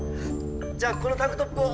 じゃあこのタンクトップを。